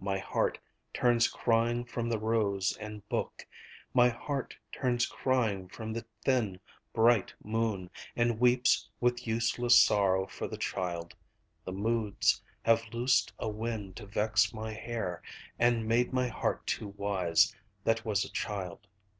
My heart turns crying from the rose and book, My heart turns crying from the thin bright moon, And weeps with useless sorrow for the child. The Moods have loosed a wind to vex my hair, And made my heart too wise, that was a child.